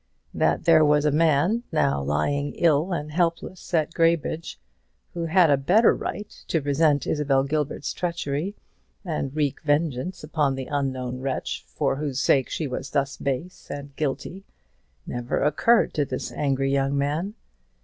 That there was a man, now lying ill and helpless at Graybridge, who had a better right to resent Isabel Gilbert's treachery, and wreak vengeance upon the unknown wretch for whose sake she was thus base and guilty, never occurred to this angry young man.